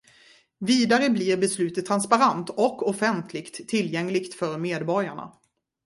Vidare blir beslutet transparent och offentligt tillgängligt för medborgarna.